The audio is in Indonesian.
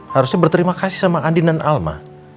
harusnya berterima kasih sama andin dan alma